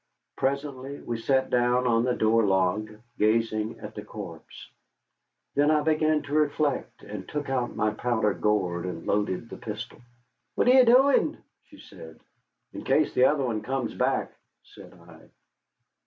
Presently we sat down on the door log, gazing at the corpse. Then I began to reflect, and took out my powder gourd and loaded the pistol. "What are ye a doing?" she said. "In case the other one comes back," said I.